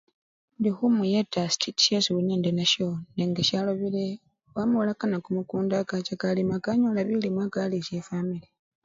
Indi khumuyeta sititi nisyo li nenasyo nenga syalobile wamulakana kumukunda kacha kalima kanyola bilimwa kalisya efwamili.